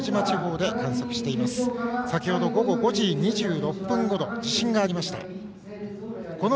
先ほど、午後５時２６分ごろ地震がありました。